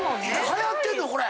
はやってんの⁉これ！